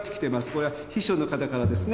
これは秘書の方からですね。